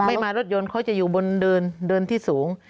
ไม่มารถยนต์เขาจะอยู่บนเดินที่สูง